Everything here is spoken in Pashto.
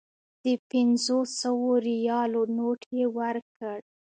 د پنځو سوو ریالو نوټ یې ورکړ.